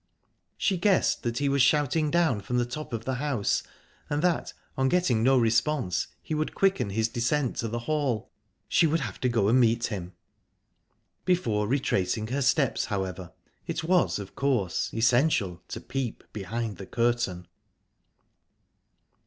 She guessed that he was shouting down from the top of the house, and that, on getting no response, he would quicken his descent to the hall. She would have to go and meet him. Before retracing her steps, however, it was of course essential to peep behind the curtain.